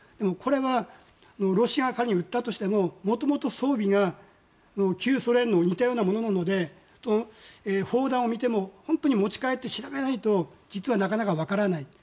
これはロシアが仮に撃ったとしてももともと装備が旧ソ連に似たようなものなので砲弾を見ても本当に持ち帰って調べないと実は、なかなか分からない。